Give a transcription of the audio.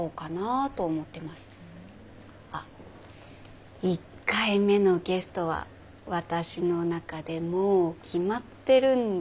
あっ１回目のゲストは私の中でもう決まってるんですけど。